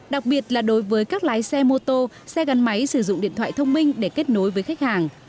đặc biệt là đối với các lái xe mô tô xe gắn máy sử dụng điện thoại thông minh để kết nối với khách hàng